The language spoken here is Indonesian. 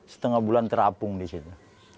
setengah bulan terapung di situ